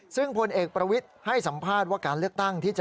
ซึ่งผลเอกประวิติให้สัมภาษณ์ว่าการเลือกตั้ง